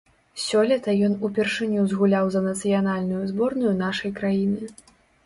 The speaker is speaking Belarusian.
Сёлета ён упершыню згуляў за нацыянальную зборную нашай краіны.